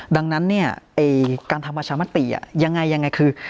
ดังนั้นเนี่ยการทำประชามติยังไงยังไงคือ